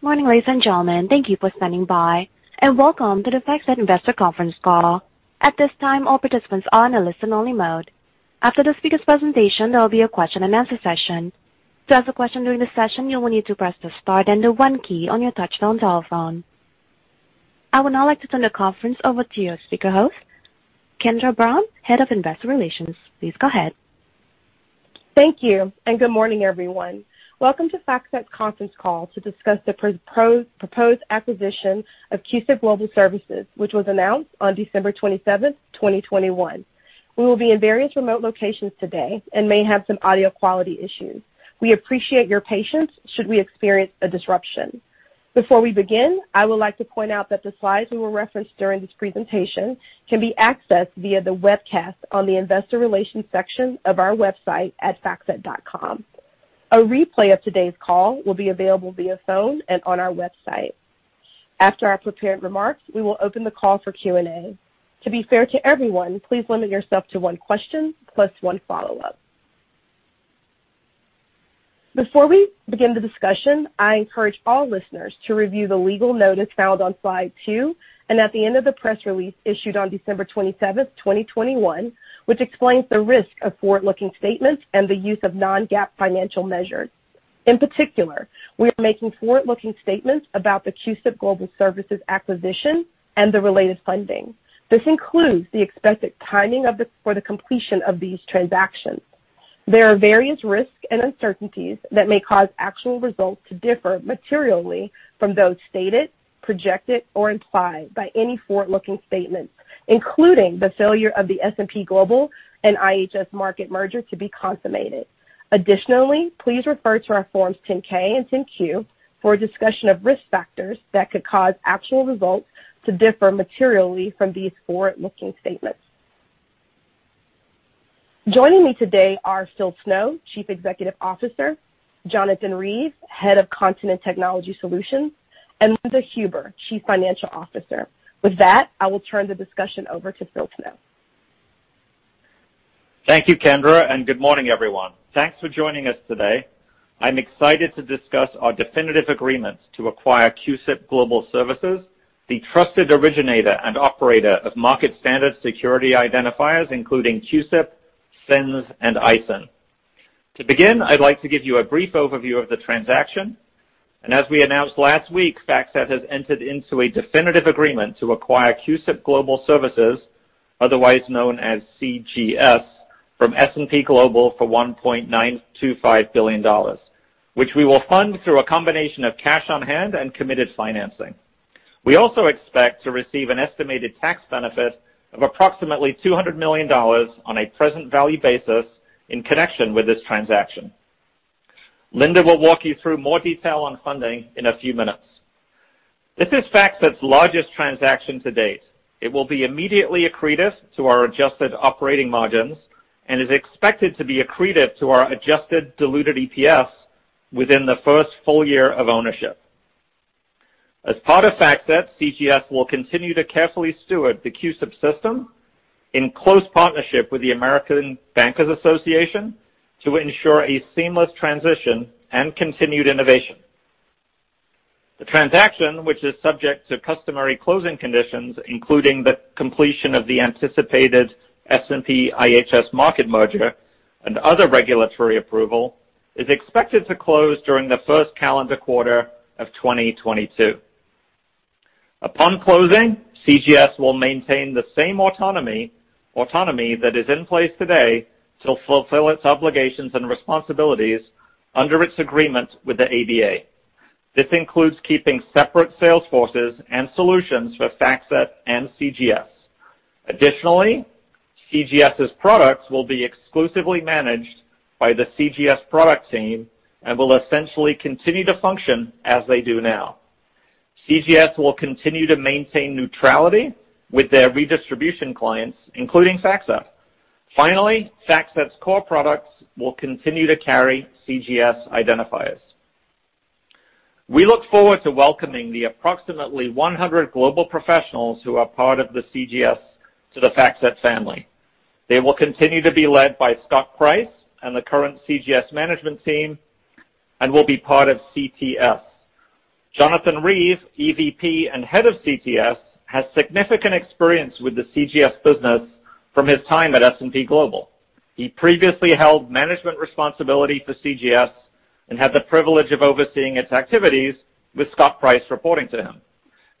Morning, ladies and gentlemen. Thank you for standing by, and welcome to the FactSet Investor Conference Call. At this time, all participants are in a listen-only mode. After the speaker's presentation, there will be a question-and-answer session I would now like to turn the conference over to your speaker host, Kendra Brown, Head of Investor Relations. Please go ahead. Thank you, and good morning, everyone. Welcome to FactSet's conference call to discuss the proposed acquisition of CUSIP Global Services, which was announced on December 27th, 2021. We will be in various remote locations today and may have some audio quality issues. We appreciate your patience should we experience a disruption. Before we begin, I would like to point out that the slides we will reference during this presentation can be accessed via the webcast on the investor relations section of our website at factset.com. A replay of today's call will be available via phone and on our website. After our prepared remarks, we will open the call for Q&A. To be fair to everyone, please limit yourself to one question plus one follow-up. Before we begin the discussion, I encourage all listeners to review the legal notice found on slide two and at the end of the press release issued on December 27th, 2021, which explains the risk of forward-looking statements and the use of non-GAAP financial measures. In particular, we are making forward-looking statements about the CUSIP Global Services acquisition and the related funding. This includes the expected timing for the completion of these transactions. There are various risks and uncertainties that may cause actual results to differ materially from those stated, projected, or implied by any forward-looking statements, including the failure of the S&P Global and IHS Markit merger to be consummated. Additionally, please refer to our forms 10-K and 10-Q for a discussion of risk factors that could cause actual results to differ materially from these forward-looking statements. Joining me today are Phil Snow, Chief Executive Officer, Jonathan Reeve, Head of Content and Technology Solutions, and Linda Huber, Chief Financial Officer. With that, I will turn the discussion over to Phil Snow. Thank you, Kendra, and good morning, everyone. Thanks for joining us today. I'm excited to discuss our definitive agreement to acquire CUSIP Global Services, the trusted originator and operator of market standard security identifiers, including CUSIP, CINS, and ISIN. To begin, I'd like to give you a brief overview of the transaction. As we announced last week, FactSet has entered into a definitive agreement to acquire CUSIP Global Services, otherwise known as CGS, from S&P Global for $1.925 billion, which we will fund through a combination of cash on hand and committed financing. We also expect to receive an estimated tax benefit of approximately $200 million on a present value basis in connection with this transaction. Linda will walk you through more detail on funding in a few minutes. This is FactSet's largest transaction to date. It will be immediately accretive to our adjusted operating margins and is expected to be accretive to our adjusted diluted EPS within the first full year of ownership. As part of FactSet, CGS will continue to carefully steward the CUSIP system in close partnership with the American Bankers Association to ensure a seamless transition and continued innovation. The transaction, which is subject to customary closing conditions, including the completion of the anticipated S&P IHS Markit merger and other regulatory approval, is expected to close during the 1st calendar quarter of 2022. Upon closing, CGS will maintain the same autonomy that is in place today to fulfill its obligations and responsibilities under its agreement with the ABA. This includes keeping separate sales forces and solutions for FactSet and CGS. Additionally, CGS's products will be exclusively managed by the CGS product team and will essentially continue to function as they do now. CGS will continue to maintain neutrality with their redistribution clients, including FactSet. Finally, FactSet's core products will continue to carry CGS identifiers. We look forward to welcoming the approximately 100 global professionals who are part of the CGS to the FactSet family. They will continue to be led by Scott Preiss and the current CGS management team and will be part of CTS. Jonathan Reeve, EVP and Head of CTS, has significant experience with the CGS business from his time at S&P Global. He previously held management responsibility for CGS and had the privilege of overseeing its activities with Scott Preiss reporting to him.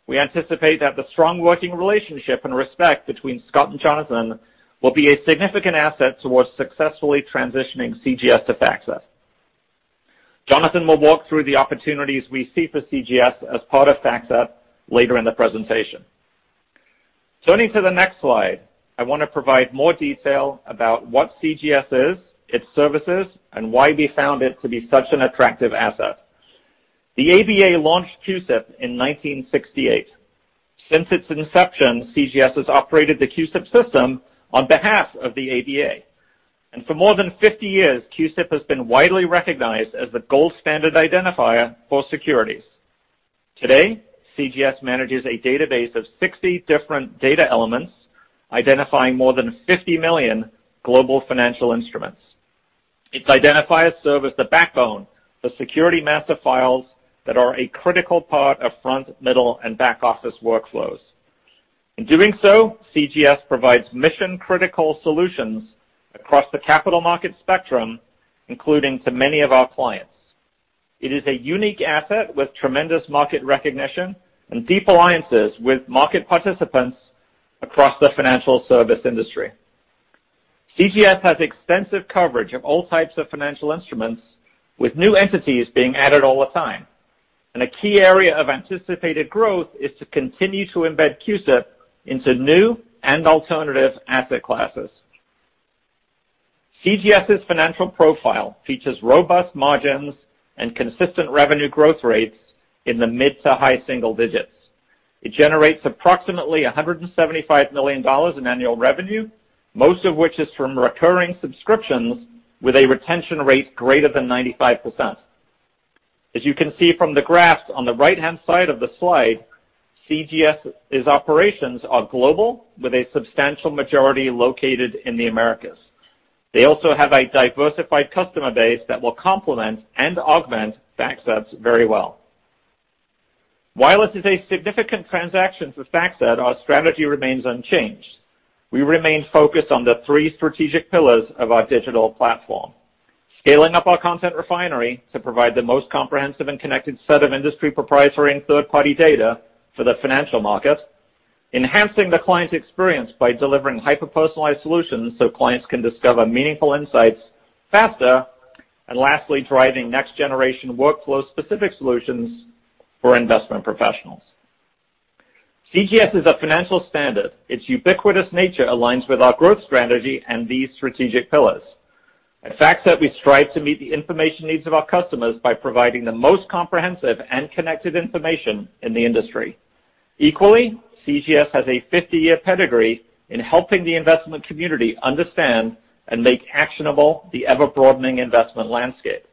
We anticipate that the strong working relationship and respect between Scott and Jonathan will be a significant asset towards successfully transitioning CGS to FactSet. Jonathan will walk through the opportunities we see for CGS as part of FactSet later in the presentation. Turning to the next slide, I wanna provide more detail about what CGS is, its services, and why we found it to be such an attractive asset. The ABA launched CUSIP in 1968. Since its inception, CGS has operated the CUSIP system on behalf of the ABA. For more than 50 years, CUSIP has been widely recognized as the gold standard identifier for securities. Today, CGS manages a database of 60 different data elements identifying more than 50 million global financial instruments. Its identifiers serve as the backbone, the security master files that are a critical part of front, middle, and back-office workflows. In doing so, CGS provides mission-critical solutions across the capital market spectrum, including to many of our clients. It is a unique asset with tremendous market recognition and deep alliances with market participants across the financial service industry. CGS has extensive coverage of all types of financial instruments, with new entities being added all the time. A key area of anticipated growth is to continue to embed CUSIP into new and alternative asset classes. CGS's financial profile features robust margins and consistent revenue growth rates in the mid- to high-single digits. It generates approximately $175 million in annual revenue, most of which is from recurring subscriptions with a retention rate greater than 95%. As you can see from the graph on the right-hand side of the slide, CGS's operations are global, with a substantial majority located in the Americas. They also have a diversified customer base that will complement and augment FactSet's very well. While this is a significant transaction for FactSet, our strategy remains unchanged. We remain focused on the three strategic pillars of our digital platform. Scaling up our content refinery to provide the most comprehensive and connected set of industry proprietary and third-party data for the financial markets. Enhancing the client experience by delivering hyper-personalized solutions so clients can discover meaningful insights faster. Lastly, driving next-generation workflow-specific solutions for investment professionals. CGS is a financial standard. Its ubiquitous nature aligns with our growth strategy and these strategic pillars. At FactSet, we strive to meet the information needs of our customers by providing the most comprehensive and connected information in the industry. Equally, CGS has a 50-year pedigree in helping the investment community understand and make actionable the ever-broadening investment landscape.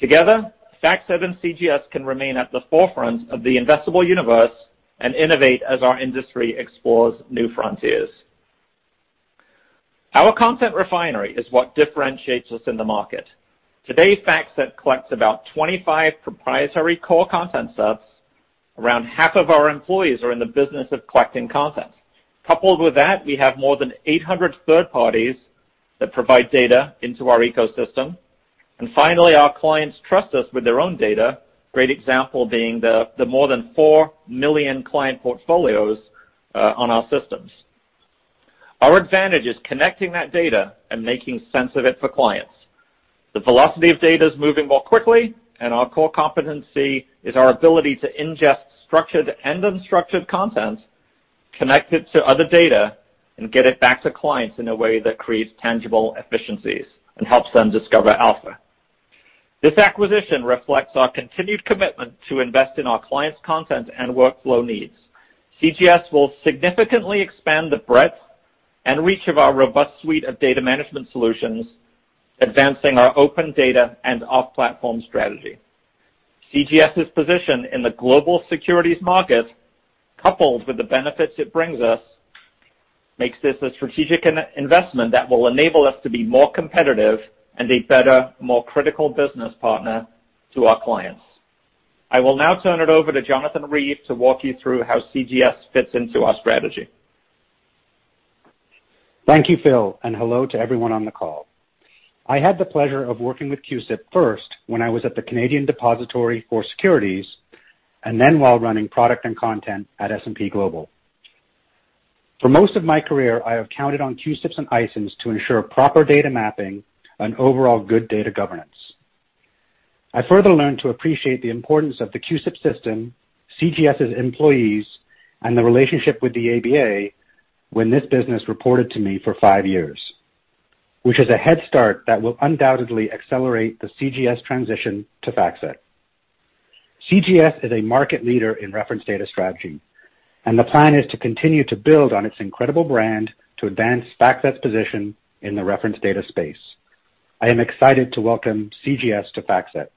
Together, FactSet and CGS can remain at the forefront of the investable universe and innovate as our industry explores new frontiers. Our content refinery is what differentiates us in the market. Today, FactSet collects about 25 proprietary core content sets. Around half of our employees are in the business of collecting content. Coupled with that, we have more than 800 third parties that provide data into our ecosystem. Finally, our clients trust us with their own data. Great example being the more than 4 million client portfolios on our systems. Our advantage is connecting that data and making sense of it for clients. The velocity of data is moving more quickly, and our core competency is our ability to ingest structured and unstructured content, connect it to other data, and get it back to clients in a way that creates tangible efficiencies and helps them discover Alpha. This acquisition reflects our continued commitment to invest in our clients' content and workflow needs. CGS will significantly expand the breadth and reach of our robust suite of data management solutions, advancing our open data and off-platform strategy. CGS's position in the global securities market, coupled with the benefits it brings us, makes this a strategic investment that will enable us to be more competitive and a better, more critical business partner to our clients. I will now turn it over to Jonathan Reeve to walk you through how CGS fits into our strategy. Thank you, Phil, and hello to everyone on the call. I had the pleasure of working with CUSIP first when I was at the Canadian Depository for Securities, and then while running product and content at S&P Global. For most of my career, I have counted on CUSIPs and ISINs to ensure proper data mapping and overall good data governance. I further learned to appreciate the importance of the CUSIP system, CGS's employees, and the relationship with the ABA when this business reported to me for five years, which is a head start that will undoubtedly accelerate the CGS transition to FactSet. CGS is a market leader in reference data strategy, and the plan is to continue to build on its incredible brand to advance FactSet's position in the reference data space. I am excited to welcome CGS to FactSet.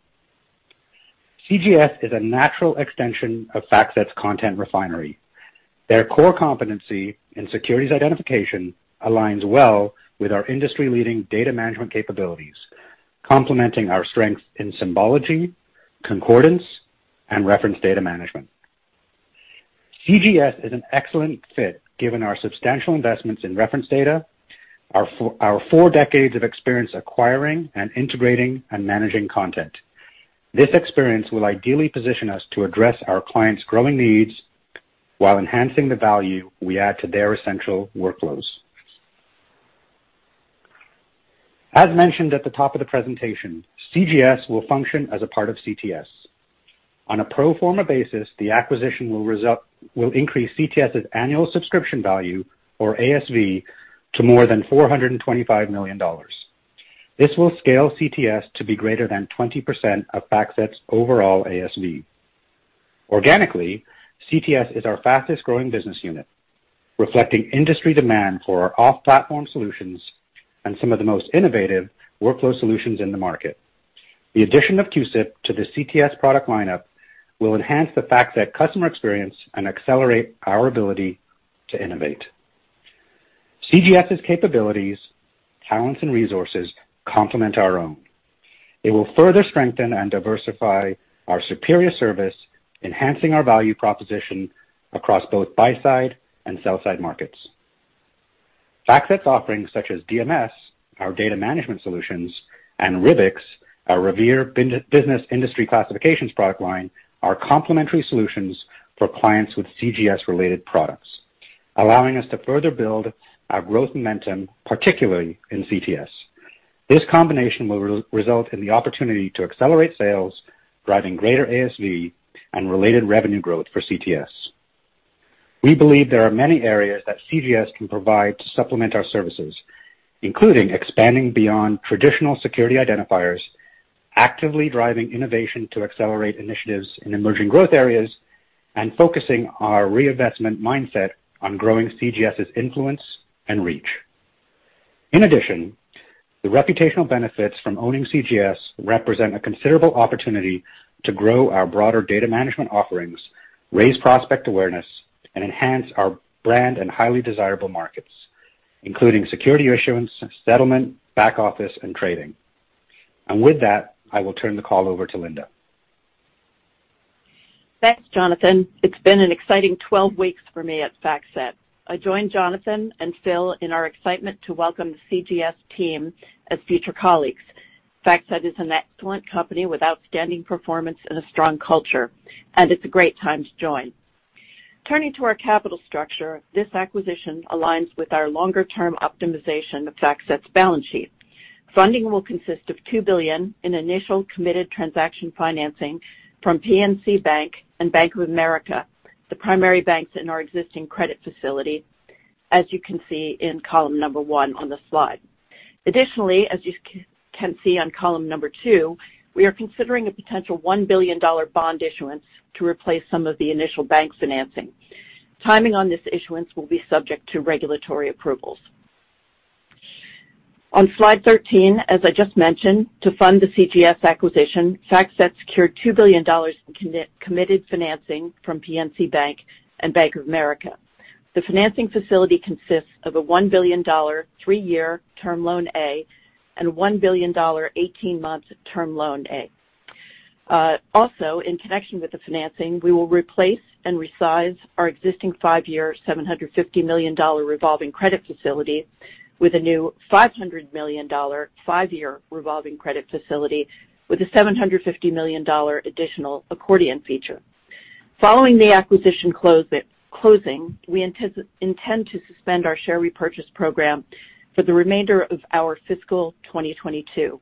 CGS is a natural extension of FactSet's content refinery. Their core competency in securities identification aligns well with our industry-leading data management capabilities, complementing our strength in symbology, concordance, and reference data management. CGS is an excellent fit given our substantial investments in reference data, our four decades of experience acquiring and integrating and managing content. This experience will ideally position us to address our clients' growing needs while enhancing the value we add to their essential workflows. As mentioned at the top of the presentation, CGS will function as a part of CTS. On a pro forma basis, the acquisition will increase CTS's annual subscription value, or ASV, to more than $425 million. This will scale CTS to be greater than 20% of FactSet's overall ASV. Organically, CTS is our fastest-growing business unit, reflecting industry demand for our off-platform solutions and some of the most innovative workflow solutions in the market. The addition of CUSIP to the CTS product lineup will enhance the FactSet customer experience and accelerate our ability to innovate. CGS's capabilities, talents, and resources complement our own. It will further strengthen and diversify our superior service, enhancing our value proposition across both buy-side and sell-side markets. FactSet offerings such as DMS, our data management solutions, and RBICS, our Revere Business Industry Classification System product line, are complementary solutions for clients with CGS-related products, allowing us to further build our growth momentum, particularly in CTS. This combination will result in the opportunity to accelerate sales, driving greater ASV and related revenue growth for CTS. We believe there are many areas that CGS can provide to supplement our services, including expanding beyond traditional security identifiers, actively driving innovation to accelerate initiatives in emerging growth areas, and focusing our reinvestment mindset on growing CGS's influence and reach. In addition, the reputational benefits from owning CGS represent a considerable opportunity to grow our broader data management offerings, raise prospect awareness, and enhance our brand and highly desirable markets, including security issuance, settlement, back office, and trading. With that, I will turn the call over to Linda. Thanks, Jonathan. It's been an exciting 12 weeks for me at FactSet. I join Jonathan and Phil in our excitement to welcome the CGS team as future colleagues. FactSet is an excellent company with outstanding performance and a strong culture, and it's a great time to join. Turning to our capital structure, this acquisition aligns with our longer-term optimization of FactSet's balance sheet. Funding will consist of $2 billion in initial committed transaction financing from PNC Bank and Bank of America, the primary banks in our existing credit facility, as you can see in column number 1 on the slide. Additionally, as you can see on column number two, we are considering a potential $1 billion bond issuance to replace some of the initial bank financing. Timing on this issuance will be subject to regulatory approvals. On slide 13, as I just mentioned, to fund the CGS acquisition, FactSet secured $2 billion in committed financing from PNC Bank and Bank of America. The financing facility consists of a $1 billion three-year term loan A and $1 billion 18-month term loan A. Also, in connection with the financing, we will replace and resize our existing five-year $750 million revolving credit facility with a new $500 million five-year revolving credit facility with a $750 million additional accordion feature. Following the acquisition closing, we intend to suspend our share repurchase program for the remainder of our fiscal 2022,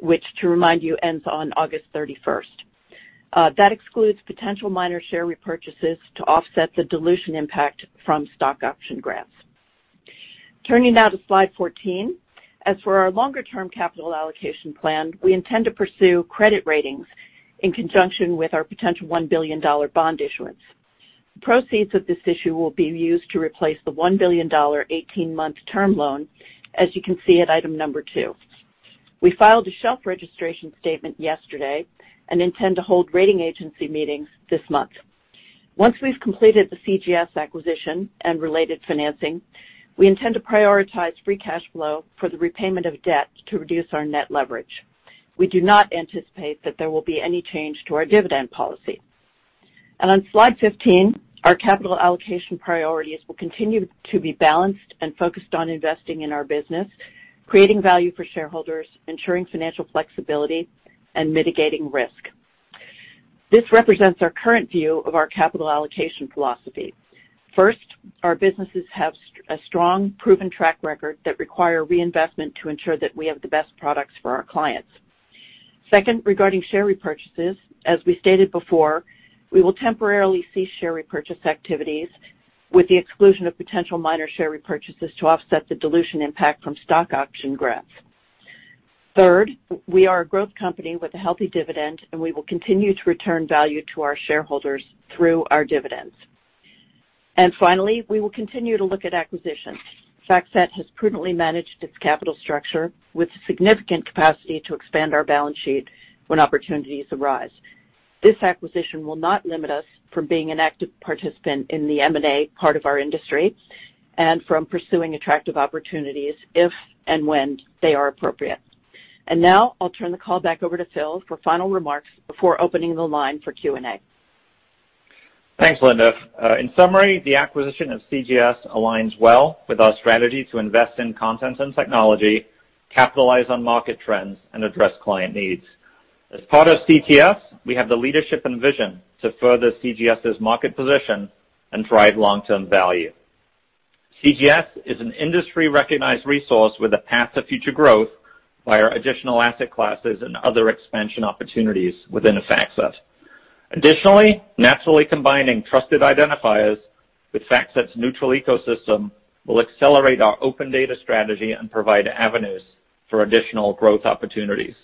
which to remind you, ends on August 31st. That excludes potential minor share repurchases to offset the dilution impact from stock option grants. Turning now to slide 14. As for our longer-term capital allocation plan, we intend to pursue credit ratings in conjunction with our potential $1 billion bond issuance. The proceeds of this issue will be used to replace the $1 billion 18-month term loan, as you can see at item number two. We filed a shelf registration statement yesterday and intend to hold rating agency meetings this month. Once we've completed the CGS acquisition and related financing, we intend to prioritize free cash flow for the repayment of debt to reduce our net leverage. We do not anticipate that there will be any change to our dividend policy. On slide 15, our capital allocation priorities will continue to be balanced and focused on investing in our business, creating value for shareholders, ensuring financial flexibility, and mitigating risk. This represents our current view of our capital allocation philosophy. 1st, our businesses have a strong, proven track record that require reinvestment to ensure that we have the best products for our clients. 2nd, regarding share repurchases, as we stated before, we will temporarily cease share repurchase activities with the exclusion of potential minor share repurchases to offset the dilution impact from stock option grants. 3rd, we are a growth company with a healthy dividend, and we will continue to return value to our shareholders through our dividends. Finally, we will continue to look at acquisitions. FactSet has prudently managed its capital structure with significant capacity to expand our balance sheet when opportunities arise. This acquisition will not limit us from being an active participant in the M&A part of our industry and from pursuing attractive opportunities if and when they are appropriate. Now, I'll turn the call back over to Phil for final remarks before opening the line for Q&A. Thanks, Linda. In summary, the acquisition of CGS aligns well with our strategy to invest in content and technology, capitalize on market trends, and address client needs. As part of CTS, we have the leadership and vision to further CGS's market position and drive long-term value. CGS is an industry-recognized resource with a path to future growth via additional asset classes and other expansion opportunities within FactSet. Additionally, naturally combining trusted identifiers with FactSet's neutral ecosystem will accelerate our open data strategy and provide avenues for additional growth opportunities.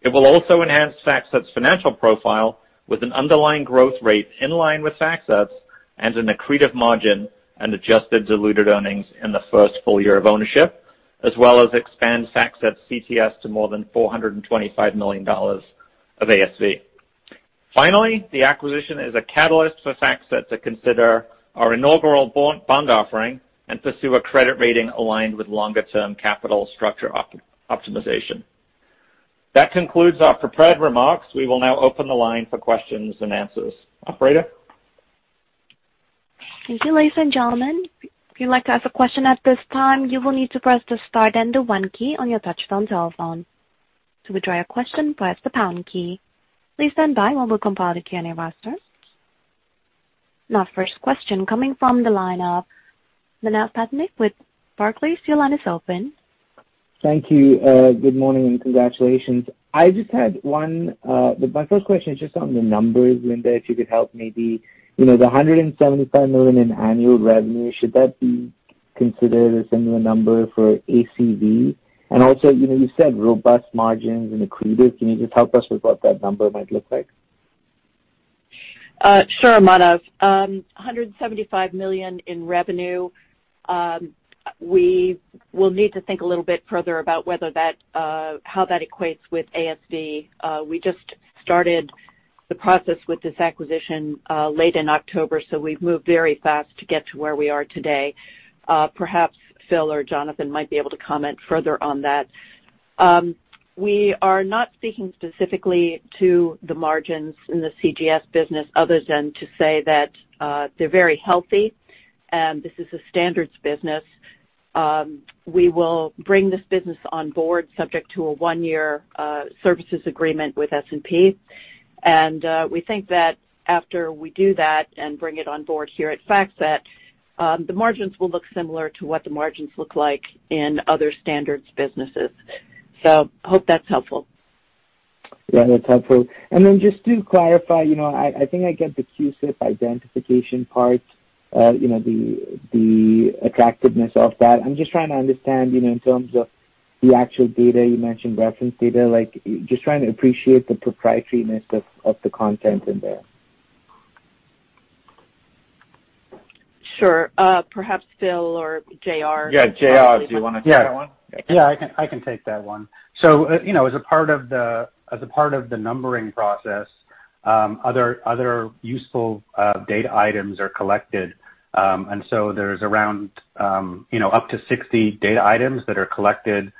It will also enhance FactSet's financial profile with an underlying growth rate in line with FactSet and an accretive margin and adjusted diluted earnings in the first full year of ownership, as well as expand FactSet's CTS to more than $425 million of ASV. Finally, the acquisition is a catalyst for FactSet to consider our inaugural bond offering and pursue a credit rating aligned with longer-term capital structure optimization. That concludes our prepared remarks. We will now open the line for questions and answers. Operator? Thank you, ladies and gentlemen. Our 1st question coming from the line of Manav Patnaik with Barclays. Your line is open. Thank you, good morning, and congratulations. I just had one, my 1st question is just on the numbers, Linda, if you could help maybe. You know, the $175 million in annual revenue, should that be considered a similar number for ASV? And also, you know, you said robust margins and accretive. Can you just help us with what that number might look like? Sure, Manav. $175 million in revenue, we will need to think a little bit further about whether that how that equates with ASV. We just started the process with this acquisition late in October, so we've moved very fast to get to where we are today. Perhaps Phil or Jonathan might be able to comment further on that. We are not speaking specifically to the margins in the CGS business other than to say that they're very healthy, and this is a standards business. We will bring this business on board subject to a one-year services agreement with S&P. We think that after we do that and bring it on board here at FactSet, the margins will look similar to what the margins look like in other standards businesses. Hope that's helpful. Yeah, that's helpful. Just to clarify, you know, I think I get the CUSIP identification part, you know, the attractiveness of that. I'm just trying to understand, you know, in terms of the actual data, you mentioned reference data, like just trying to appreciate the proprietariness of the content in there. Sure. Perhaps Phil or J.R. Yeah, JR, do you wanna take that one? Yeah. I can take that one. As a part of the numbering process, other useful data items are collected. There's around up to 60 data items that are collected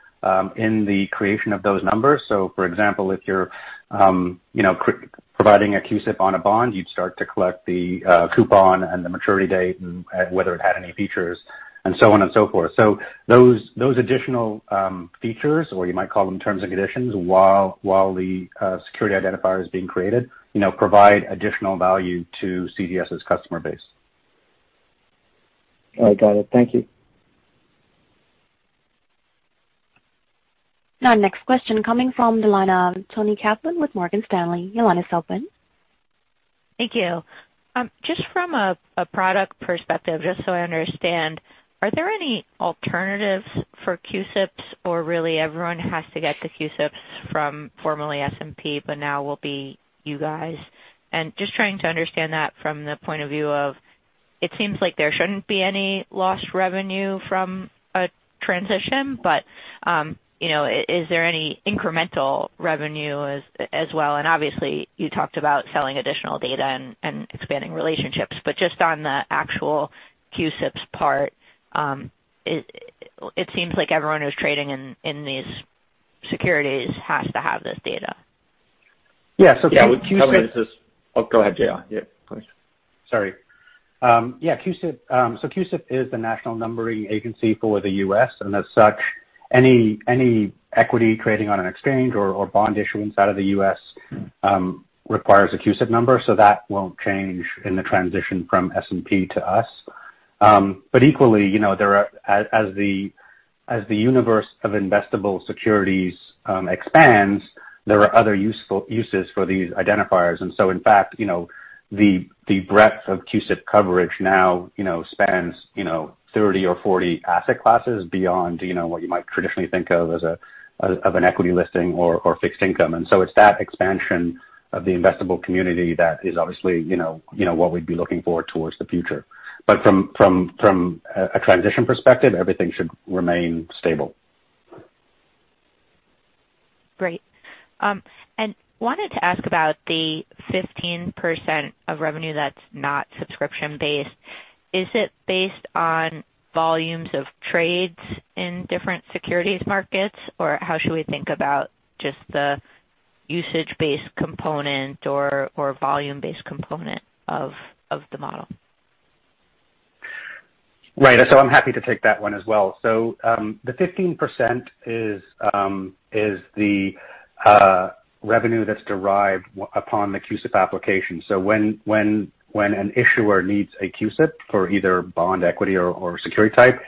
in the creation of those numbers. For example, if you're providing a CUSIP on a bond, you'd start to collect the coupon and the maturity date and whether it had any features, and so on and so forth. Those additional features, or you might call them terms and conditions, while the security identifier is being created, provide additional value to CGS's customer base. All right. Got it. Thank you. Now, next question coming from the line of Toni Kaplan with Morgan Stanley. Your line is open. Thank you. Just from a product perspective, just so I understand, are there any alternatives for CUSIPs or really everyone has to get the CUSIPs from formerly S&P, but now will be you guys? Just trying to understand that from the point of view of, it seems like there shouldn't be any lost revenue from a transition, but, you know, is there any incremental revenue as well? Obviously, you talked about selling additional data and expanding relationships. Just on the actual CUSIPs part, it seems like everyone who's trading in these securities has to have this data. Yeah, CUSIP Oh, go ahead, J.R. Yeah, please. Sorry. Yeah, CUSIP. CUSIP is the national numbering agency for the US, and as such, any equity trading on an exchange or bond issuance out of the US requires a CUSIP number. That won't change in the transition from S&P to us. Equally, you know, as the universe of investable securities expands, there are other useful uses for these identifiers. In fact, you know, the breadth of CUSIP coverage now, you know, spans 30 or 40 asset classes beyond what you might traditionally think of as an equity listing or fixed income. It's that expansion of the investable community that is obviously, you know, what we'd be looking for towards the future. From a transition perspective, everything should remain stable. Great. Wanted to ask about the 15% of revenue that's not subscription-based. Is it based on volumes of trades in different securities markets? Or how should we think about just the usage-based component or volume-based component of the model? Right. I'm happy to take that one as well. The 15% is the revenue that's derived upon the CUSIP application. When an issuer needs a CUSIP for either bond equity or security type,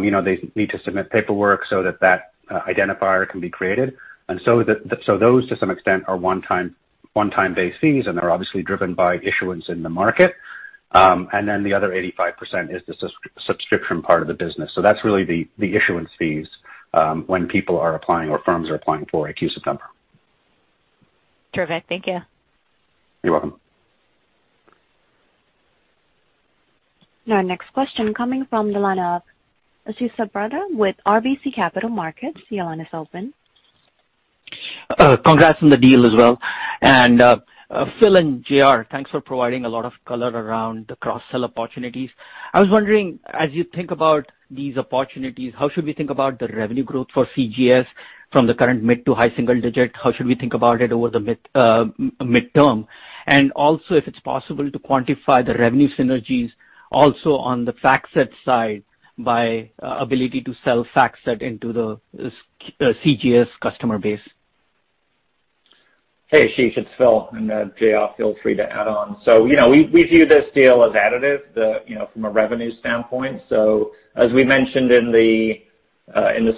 you know, they need to submit paperwork so that identifier can be created. Those to some extent are one time base fees, and they're obviously driven by issuance in the market. The other 85% is the subscription part of the business. That's really the issuance fees when people are applying or firms are applying for a CUSIP number. Terrific. Thank you. You're welcome. Now, our next question coming from the line of Ashish Sabadra with RBC Capital Markets. Your line is open. Congrats on the deal as well. Phil and JR, thanks for providing a lot of color around the cross-sell opportunities. I was wondering, as you think about these opportunities, how should we think about the revenue growth for CGS from the current mid- to high-single-digit? How should we think about it over the mid-term? Also if it's possible to quantify the revenue synergies also on the FactSet side by ability to sell FactSet into the CGS customer base. Hey, Ashish, it's Phil. JR, feel free to add on. You know, we view this deal as additive, you know, from a revenue standpoint. As we mentioned in the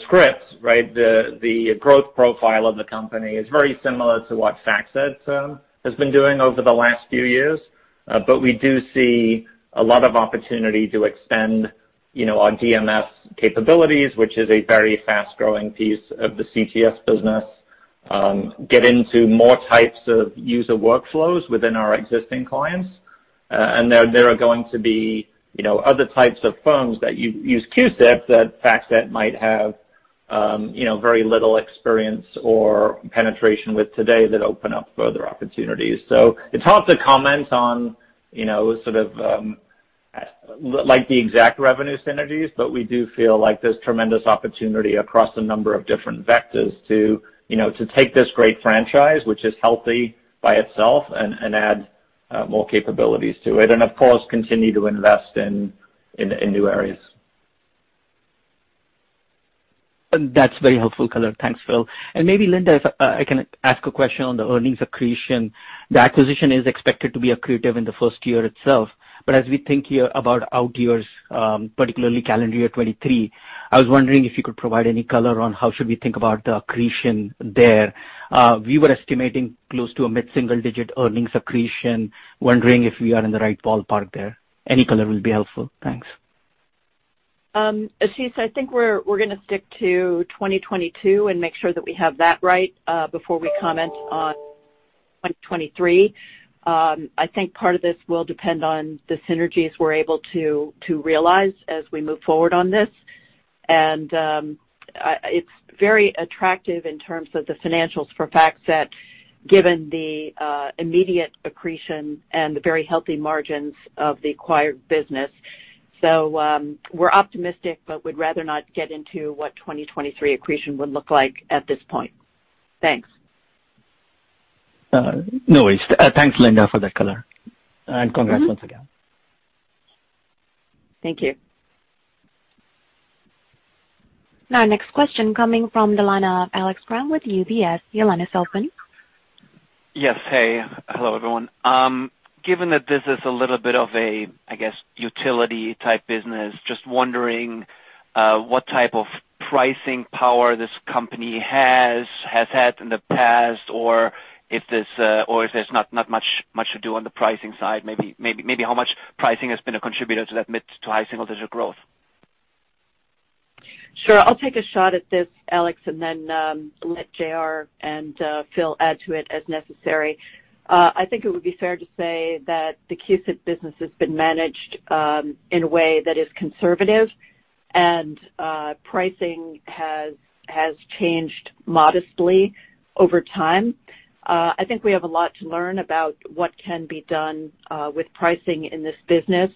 script, right, the growth profile of the company is very similar to what FactSet has been doing over the last few years. But we do see a lot of opportunity to extend, you know, our DMS capabilities, which is a very fast-growing piece of the CGS business, get into more types of user workflows within our existing clients. There are going to be, you know, other types of firms that use CUSIP that FactSet might have, you know, very little experience or penetration with today that open up further opportunities. It's hard to comment on, you know, sort of, like, the exact revenue synergies, but we do feel like there's tremendous opportunity across a number of different vectors to, you know, to take this great franchise, which is healthy by itself, and add more capabilities to it and, of course, continue to invest in new areas. That's very helpful color. Thanks, Phil. Maybe Linda, if I can ask a question on the earnings accretion. The acquisition is expected to be accretive in the first year itself. As we think here about out years, particularly calendar year 2023, I was wondering if you could provide any color on how should we think about the accretion there. We were estimating close to a mid-single digit earnings accretion. Wondering if we are in the right ballpark there. Any color will be helpful. Thanks. Ashish, I think we're gonna stick to 2022 and make sure that we have that right before we comment on 2023. I think part of this will depend on the synergies we're able to realize as we move forward on this. It's very attractive in terms of the financials for FactSet, given the immediate accretion and the very healthy margins of the acquired business. We're optimistic, but we'd rather not get into what 2023 accretion would look like at this point. Thanks. No worries. Thanks, Linda, for that color. Congrats once again. Thank you. Now our next question coming from the line of Alex Kramm with UBS. Your line is open. Yes. Hey. Hello, everyone. Given that this is a little bit of a, I guess, utility type business, just wondering what type of pricing power this company has had in the past or if there's not much to do on the pricing side. Maybe how much pricing has been a contributor to that mid to high single digit growth. Sure. I'll take a shot at this, Alex, and then let JR and Phil add to it as necessary. I think it would be fair to say that the CUSIP business has been managed in a way that is conservative, and pricing has changed modestly over time. I think we have a lot to learn about what can be done with pricing in this business.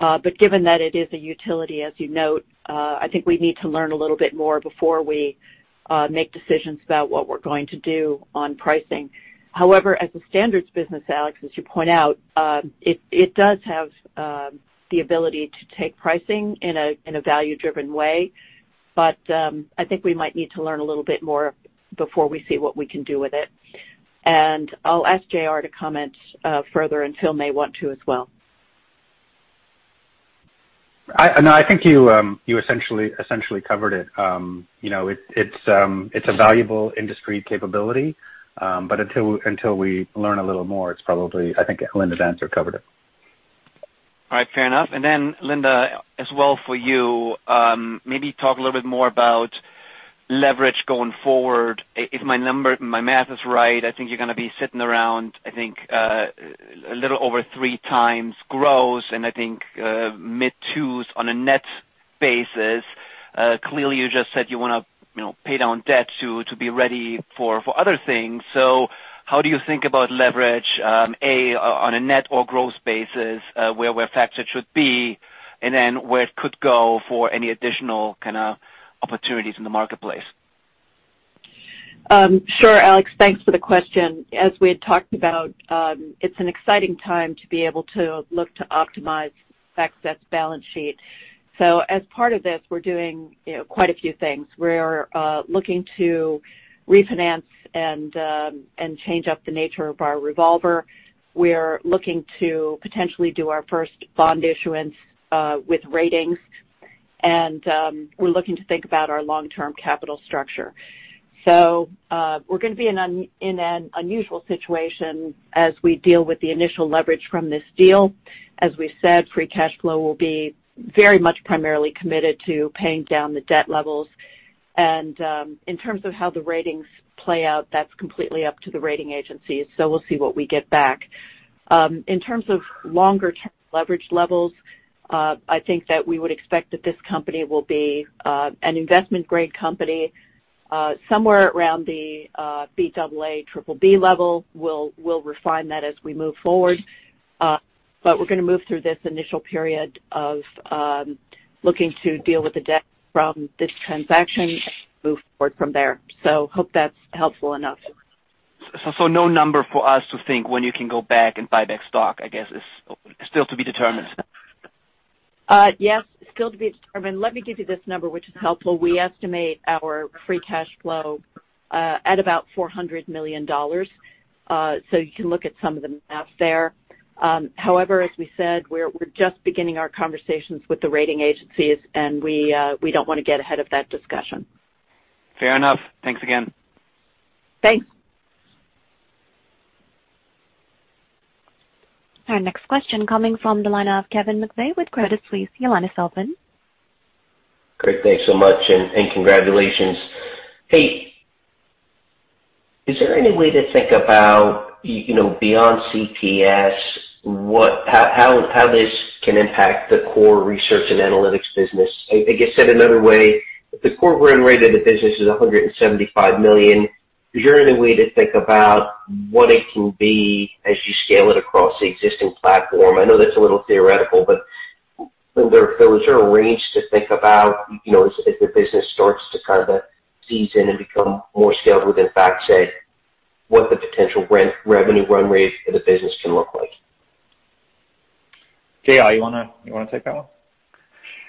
But given that it is a utility, as you note, I think we need to learn a little bit more before we make decisions about what we're going to do on pricing. However, as a standards business, Alex, as you point out, it does have the ability to take pricing in a value-driven way. I think we might need to learn a little bit more before we see what we can do with it. I'll ask JR to comment further, and Phil may want to as well. No, I think you essentially covered it. You know, it's a valuable industry capability. Until we learn a little more, it's probably. I think Linda's answer covered it. All right, fair enough. Linda, as well for you, maybe talk a little bit more about leverage going forward. If my number, my math is right, I think you're gonna be sitting around, I think, a little over 3x gross and I think, mid-twos on a net basis. Clearly, you just said you wanna, you know, pay down debt to be ready for other things. How do you think about leverage, A, on a net or growth basis, where FactSet should be, and then where it could go for any additional kind a opportunities in the marketplace? Sure, Alex, thanks for the question. As we had talked about, it's an exciting time to be able to look to optimize FactSet's balance sheet. As part of this, we're doing, you know, quite a few things. We're looking to refinance and change up the nature of our revolver. We're looking to potentially do our first bond issuance with ratings. We're looking to think about our long-term capital structure. We're gonna be in an unusual situation as we deal with the initial leverage from this deal. As we said, free cash flow will be very much primarily committed to paying down the debt levels. In terms of how the ratings play out, that's completely up to the rating agencies, so we'll see what we get back. In terms of longer-term leverage levels, I think that we would expect that this company will be an investment-grade company somewhere around the Baa BBB level. We'll refine that as we move forward. But we're gonna move through this initial period of looking to deal with the debt from this transaction, move forward from there. Hope that's helpful enough. No number for us to think when you can go back and buy back stock, I guess, is still to be determined? Yes, still to be determined. Let me give you this number, which is helpful. We estimate our free cash flow at about $400 million. So you can look at some of the math there. However, as we said, we're just beginning our conversations with the rating agencies, and we don't wanna get ahead of that discussion. Fair enough. Thanks again. Thanks. Our next question coming from the line of Kevin McVeigh with Credit Suisse. Your line is open. Great. Thanks so much, and congratulations. Hey, is there any way to think about you know, beyond CTS, how this can impact the core research and analytics business? I think I said another way, if the core run rate of the business is $175 million, is there any way to think about what it can be as you scale it across the existing platform? I know that's a little theoretical, but is there a range to think about, you know, as the business starts to kind of ease in and become more scalable than FactSet, what the potential revenue run rate for the business can look like? J.R., you wanna take that one?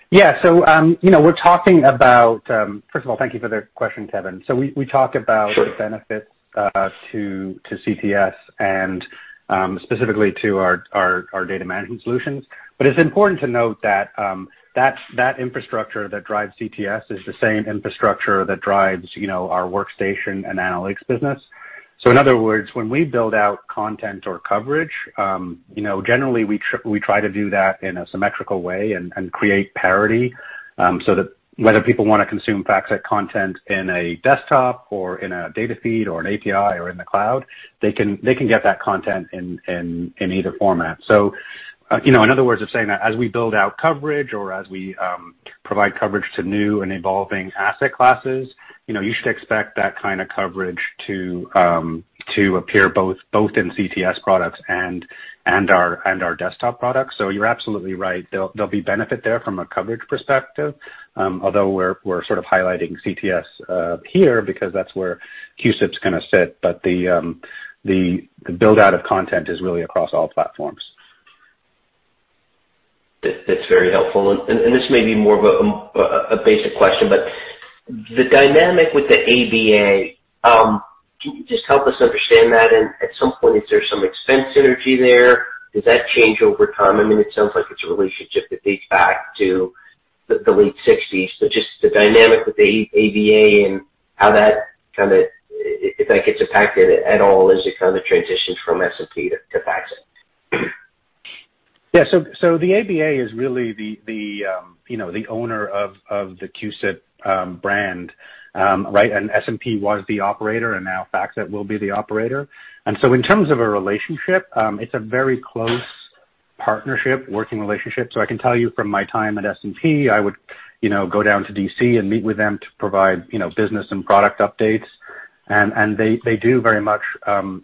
Yeah. You know, we're talking about first of all, thank you for the question, Kevin. We talked about- Sure. The benefits to CTS and specifically to our Data Management Solutions. It's important to note that infrastructure that drives CTS is the same infrastructure that drives you know our workstation and analytics business. In other words, when we build out content or coverage you know generally we try to do that in a symmetrical way and create parity so that whether people wanna consume FactSet content in a desktop or in a data feed or an API or in the cloud, they can get that content in either format. You know, in other words of saying that, as we build out coverage or as we provide coverage to new and evolving asset classes, you know, you should expect that kind of coverage to appear both in CTS products and our desktop products. You're absolutely right. There'll be benefit there from a coverage perspective, although we're sort of highlighting CTS here because that's where CUSIP's gonna sit. The build-out of content is really across all platforms. That's very helpful. This may be more of a basic question, but the dynamic with the ABA, can you just help us understand that? At some point, is there some expense synergy there? Does that change over time? I mean, it sounds like it's a relationship that dates back to the late sixties. Just the dynamic with the ABA and how that kind of if that gets impacted at all as it kind of transitions from S&P to FactSet. Yeah. The ABA is really the, you know, the owner of the CUSIP brand, right? S&P was the operator, and now FactSet will be the operator. In terms of a relationship, it's a very close partnership, working relationship. I can tell you from my time at S&P, I would, you know, go down to D.C. and meet with them to provide, you know, business and product updates. They do very much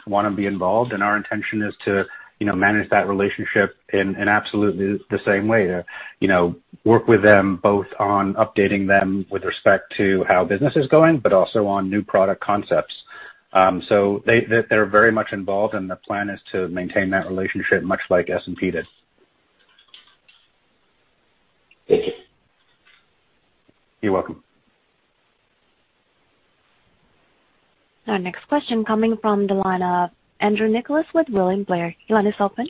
wanna be involved, and our intention is to, you know, manage that relationship in absolutely the same way to, you know, work with them both on updating them with respect to how business is going, but also on new product concepts. They're very much involved, and the plan is to maintain that relationship much like S&P did. Thank you. You're welcome. Our next question coming from the line of Andrew Nicholas with William Blair. Your line is open.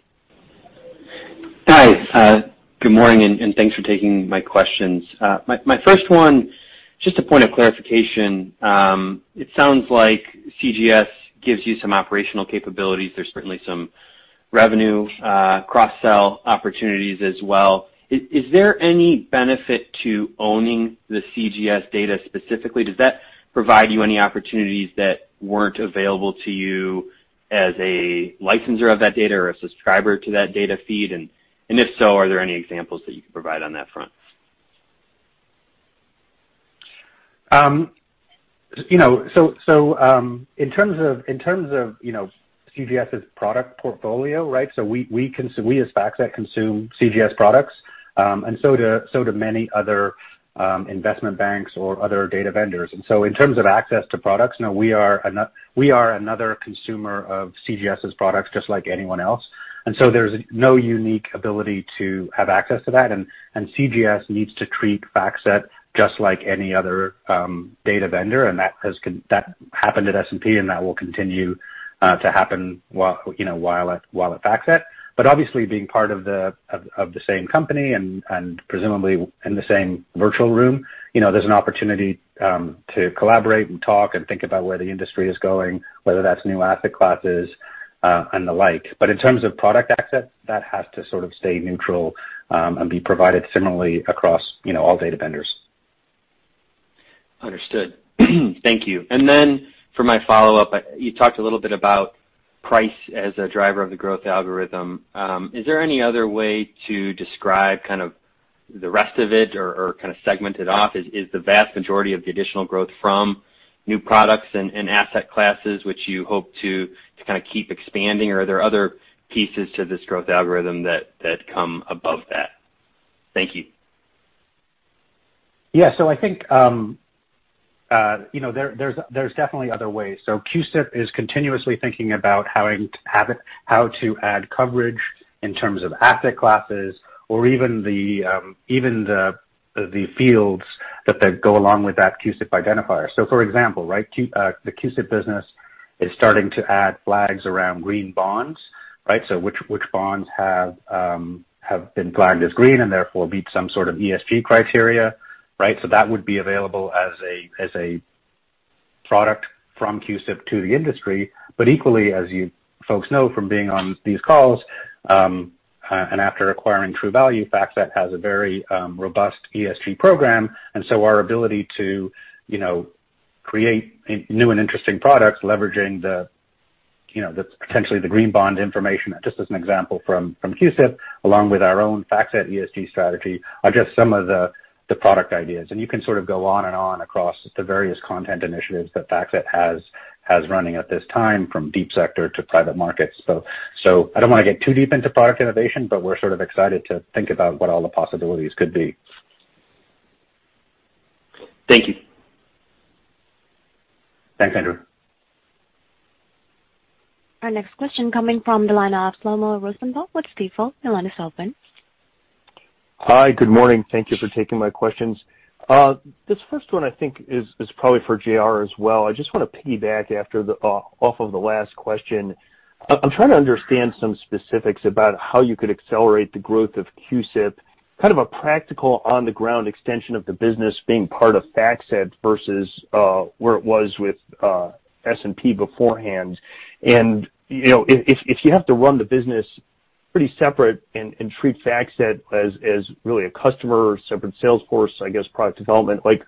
Hi. Good morning, thanks for taking my questions. My first one, just a point of clarification. It sounds like CGS gives you some operational capabilities. There's certainly some revenue, cross-sell opportunities as well. Is there any benefit to owning the CGS data specifically? Does that provide you any opportunities that weren't available to you as a licenser of that data or a subscriber to that data feed? If so, are there any examples that you could provide on that front? You know, in terms of CGS's product portfolio, right? We as FactSet consume CGS products, and so do many other investment banks or other data vendors. In terms of access to products, no, we are another consumer of CGS's products just like anyone else. There's no unique ability to have access to that. CGS needs to treat FactSet just like any other data vendor, and that happened at S&P, and that will continue to happen while, you know, at FactSet. Obviously being part of the same company and presumably in the same virtual room, you know, there's an opportunity to collaborate and talk and think about where the industry is going, whether that's new asset classes and the like. In terms of product access, that has to sort of stay neutral and be provided similarly across, you know, all data vendors. Understood. Thank you. For my follow-up, you talked a little bit about price as a driver of the growth algorithm. Is there any other way to describe kind of the rest of it or kind of segment it off? Is the vast majority of the additional growth from new products and asset classes which you hope to kind of keep expanding? Or are there other pieces to this growth algorithm that come above that? Thank you. Yeah. I think, you know, there's definitely other ways. CUSIP is continuously thinking about how to add coverage in terms of asset classes or even the fields that go along with that CUSIP identifier. For example, the CUSIP business is starting to add flags around green bonds. Which bonds have been flagged as green and therefore meet some sort of ESG criteria. That would be available as a product from CUSIP to the industry. Equally, as you folks know from being on these calls, and after acquiring Truvalue Labs, FactSet has a very robust ESG program. Our ability to, you know, create new and interesting products leveraging the, you know, potentially the green bond information, just as an example from CUSIP, along with our own FactSet ESG strategy, are just some of the product ideas. You can sort of go on and on across the various content initiatives that FactSet has running at this time from deep sector to private markets. I don't want to get too deep into product innovation, but we're sort of excited to think about what all the possibilities could be. Thank you. Thanks, Andrew. Our next question coming from the line of Shlomo Rosenbaum with Stifel. Your line is open. Hi. Good morning. Thank you for taking my questions. This first one I think is probably for J.R. as well. I just want to piggyback off of the last question. I'm trying to understand some specifics about how you could accelerate the growth of CUSIP, kind of a practical on-the-ground extension of the business being part of FactSet versus where it was with S&P beforehand. You know, if you have to run the business pretty separate and treat FactSet as really a customer, separate sales force, I guess product development, like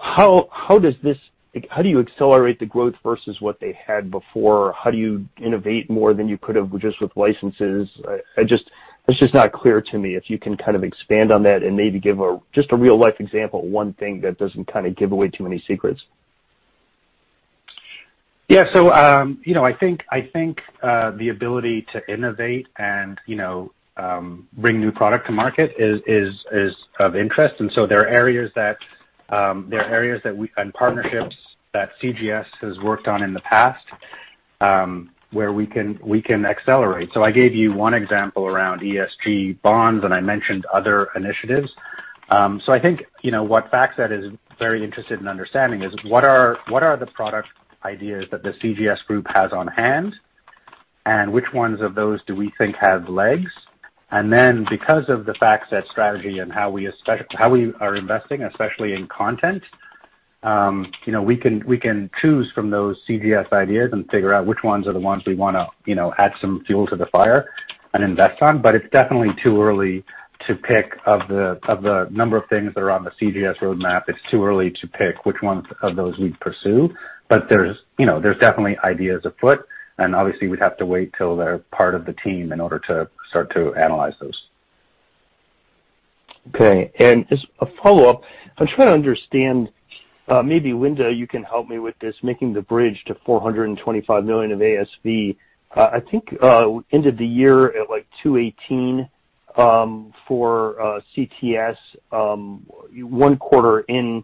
how do you accelerate the growth versus what they had before. How do you innovate more than you could have just with licenses? It's just not clear to me. If you can kind of expand on that and maybe give just a real-life example, one thing that doesn't kind of give away too many secrets. Yeah, you know, I think the ability to innovate and, you know, bring new product to market is of interest. There are areas and partnerships that CGS has worked on in the past, where we can accelerate. I gave you one example around ESG bonds, and I mentioned other initiatives. I think, you know, what FactSet is very interested in understanding is what are the product ideas that the CGS group has on hand, and which ones of those do we think have legs? Because of the FactSet strategy and how we are investing, especially in content, you know, we can choose from those CGS ideas and figure out which ones are the ones we wanna, you know, add some fuel to the fire and invest on. It's definitely too early to pick of the number of things that are on the CGS roadmap. It's too early to pick which ones of those we'd pursue. There's you know, definitely ideas afoot, and obviously we'd have to wait till they're part of the team in order to start to analyze those. Okay. As a follow-up, I'm trying to understand, maybe Linda, you can help me with this, making the bridge to $425 million of ASV. I think we ended the year at, like, $218 million for CTS, one quarter in,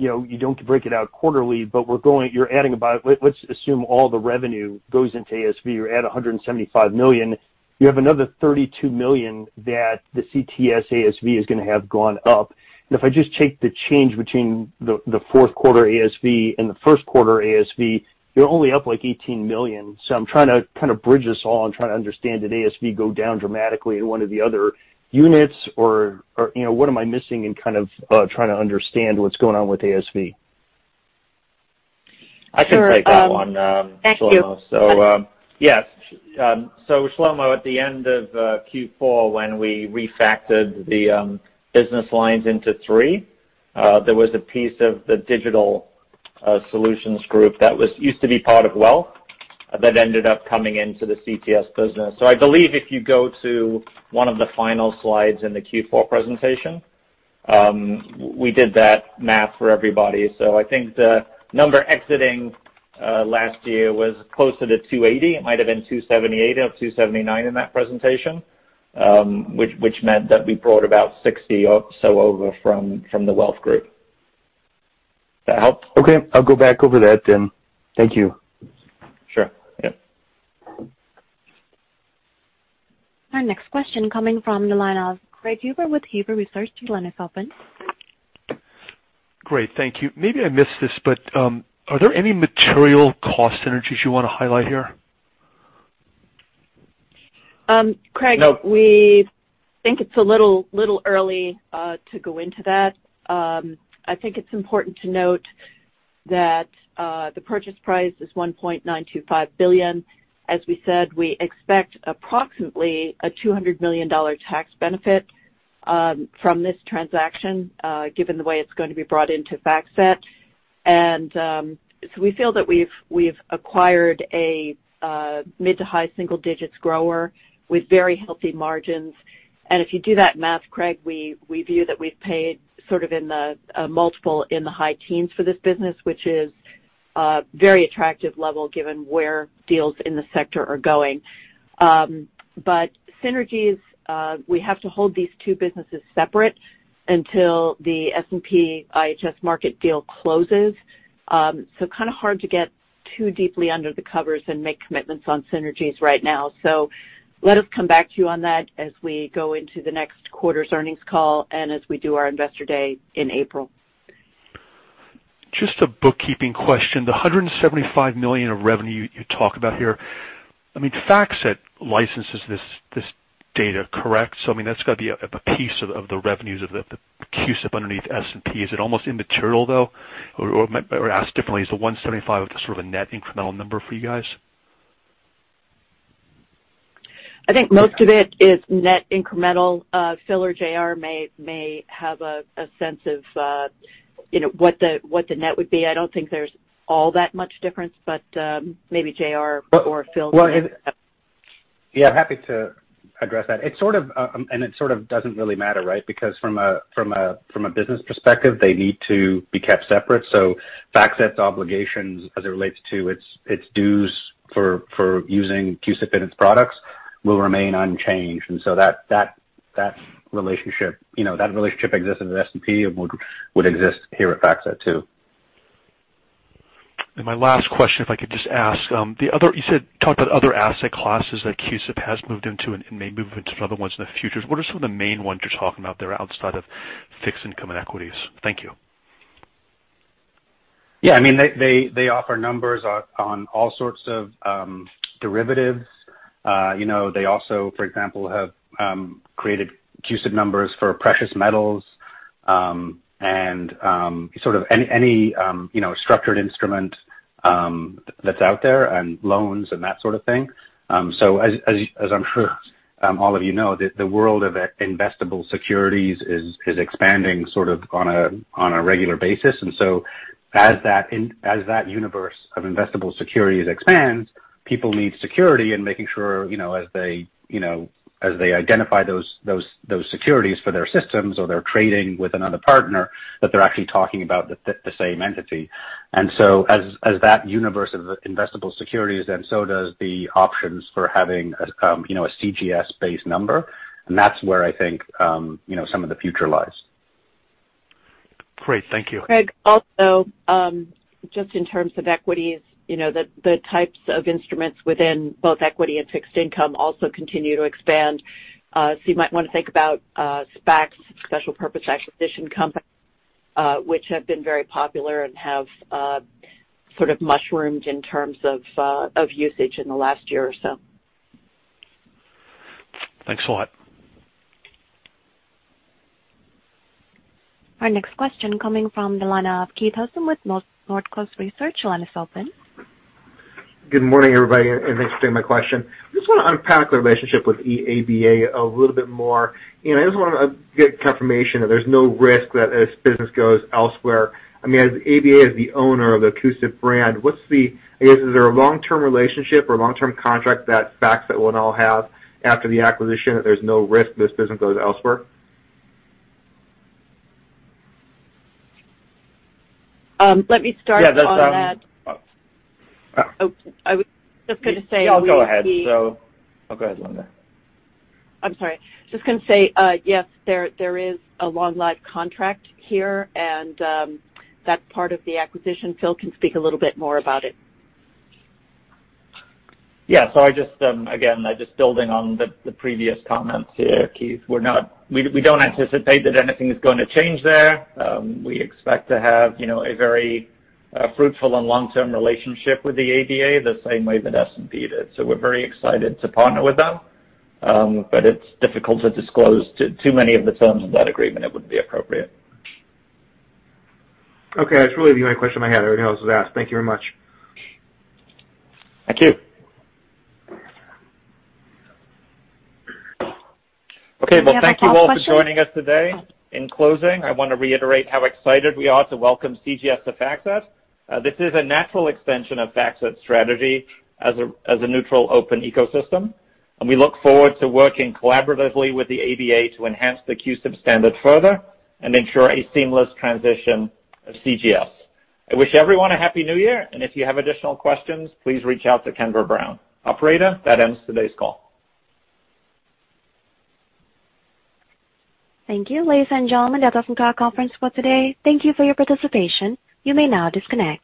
you know, you don't break it out quarterly, but you're adding about. Let's assume all the revenue goes into ASV. You're at $175 million. You have another $32 million that the CTS ASV is gonna have gone up. If I just take the change between the fourth quarter ASV and the first quarter ASV, you're only up, like, $18 million. I'm trying to kind of bridge this all. I'm trying to understand, did ASV go down dramatically in one of the other units or, you know, what am I missing in kind of trying to understand what's going on with ASV? I can take that one. Sure. Thank you. Shlomo, at the end of Q4, when we refactored the business lines into three, there was a piece of the digital solutions group that used to be part of Wealth that ended up coming into the CTS business. I believe if you go to one of the final slides in the Q4 presentation, we did that math for everybody. I think the number exiting last year was closer to 280. It might have been 278 or 279 in that presentation, which meant that we brought about 60 or so over from the Wealth group. That help? Okay. I'll go back over that then. Thank you. Sure. Yep. Our next question coming from the line of Craig Huber with Huber Research. Your line is open. Great. Thank you. Maybe I missed this, but, are there any material cost synergies you want to highlight here? Craig, we think it's a little early to go into that. I think it's important to note that the purchase price is $1.925 billion. As we said, we expect approximately a $200 million tax benefit from this transaction given the way it's going to be brought into FactSet. We feel that we've acquired a mid-to-high single digits grower with very healthy margins. If you do that math, Craig, we view that we've paid sort of in the multiple in the high teens for this business, which is a very attractive level given where deals in the sector are going. But synergies, we have to hold these two businesses separate until the S&P IHS Markit deal closes. Kind of hard to get too deeply under the covers and make commitments on synergies right now. Let us come back to you on that as we go into the next quarter's earnings call and as we do our investor day in April. Just a bookkeeping question. The $175 million of revenue you talk about here, I mean, FactSet licenses this data, correct? So, I mean, that's got to be a piece of the revenues of the CUSIP underneath S&P. Is it almost immaterial, though? Or ask differently, is the 175 sort of a net incremental number for you guys? I think most of it is net incremental. Phil or JR may have a sense of, you know, what the net would be. I don't think there's all that much difference, but maybe JR or Phil- Well, yeah, happy to address that. It's sort of and it sort of doesn't really matter, right? Because from a business perspective, they need to be kept separate. FactSet's obligations as it relates to its dues for using CUSIP in its products will remain unchanged. That relationship, you know, that relationship exists with S&P and would exist here at FactSet too. My last question, if I could just ask, you talked about other asset classes that CUSIP has moved into and may move into other ones in the future. What are some of the main ones you're talking about there outside of fixed income and equities? Thank you. Yeah. I mean, they offer numbers on all sorts of derivatives. You know, they also, for example, have created CUSIP numbers for precious metals and sort of any structured instrument that's out there and loans and that sort of thing. So as I'm sure all of you know, the world of investable securities is expanding sort of on a regular basis. As that universe of investable securities expands, people need security and making sure, you know, as they identify those securities for their systems or they're trading with another partner, that they're actually talking about the same entity. As that universe of investable securities, then so does the options for having a, you know, a CGS-based number. That's where I think, you know, some of the future lies. Great. Thank you. Craig, also, just in terms of equities, you know, the types of instruments within both equity and fixed income also continue to expand. You might want to think about SPACs, special purpose acquisition companies, which have been very popular and have sort of mushroomed in terms of usage in the last year or so. Thanks a lot. Our next question coming from the line of Keith Housum with Northcoast Research. Your line is open. Good morning, everybody, and thanks for taking my question. I just want to unpack the relationship with ABA a little bit more. You know, I just want to get confirmation that there's no risk that this business goes elsewhere. I mean, as ABA is the owner of the CUSIP brand, what's the, I guess, is there a long-term relationship or long-term contract that FactSet will now have after the acquisition that there's no risk this business goes elsewhere? Let me start on that. Yeah, that's. Oh, I was just gonna say. Yeah, go ahead. Go ahead, Linda. I'm sorry. Just gonna say, yes, there is a long-term contract here, and that's part of the acquisition. Phil can speak a little bit more about it. I just again just building on the previous comments here, Keith. We don't anticipate that anything is gonna change there. We expect to have you know a very fruitful and long-term relationship with the ABA the same way that S&P did. We're very excited to partner with them. But it's difficult to disclose too many of the terms of that agreement. It wouldn't be appropriate. Okay. That's really the only question I had. Everything else was asked. Thank you very much. Thank you. Any other follow-up questions? Okay. Well, thank you all for joining us today. In closing, I want to reiterate how excited we are to welcome CGS to FactSet. This is a natural extension of FactSet's strategy as a neutral open ecosystem, and we look forward to working collaboratively with the ABA to enhance the CUSIP standard further and ensure a seamless transition of CGS. I wish everyone a happy New Year, and if you have additional questions, please reach out to Kendra Brown. Operator, that ends today's call. Thank you. Ladies and gentlemen, that does conclude our conference call today. Thank you for your participation. You may now disconnect.